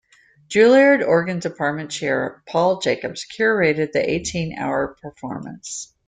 Juilliard Organ Department Chair, Paul Jacobs, curated the eighteen-hour performance.